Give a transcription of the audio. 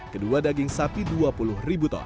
kedua daging sapi dua puluh ribu ton